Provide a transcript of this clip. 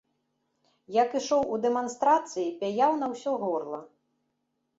Як ішоў у дэманстрацыі, пяяў на ўсё горла.